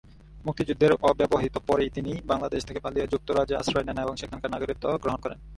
মুক্তিযুদ্ধের অব্যবহিত পরেই তিনি বাংলাদেশ থেকে পালিয়ে যুক্তরাজ্যে আশ্রয় নেন এবং সেখানকার নাগরিকত্ব গ্রহণ করেন।